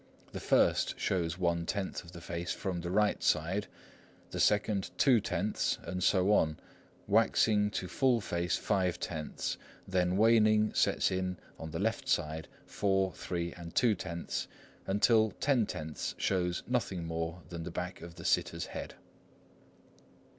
The first shows one tenth of the face from the right side, the second two tenths, and so on, waxing to full face five tenths; then waning sets in on the left side, four, three, and two tenths, until ten tenths shows nothing more than the back of the sitter's head.